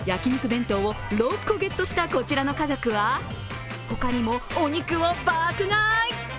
弁当を６個ゲットしたこちらの家族は他にもお肉を爆買い！